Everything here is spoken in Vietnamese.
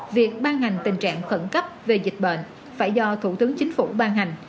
việc ban hành tình trạng khẩn cấp về dịch bệnh phải do thủ tướng chính phủ ban hành